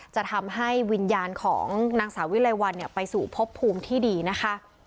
จะทำให้วิญญาณของนางสาวิไลวันไปสู่พบภูมิที่ดีนะคะ